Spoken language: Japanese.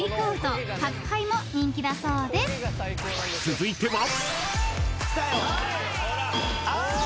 ［続いては］